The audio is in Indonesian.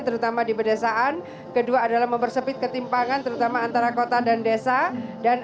terutama di pedesaan kedua adalah mempersepit ketimpangan terutama antara kota dan desa dan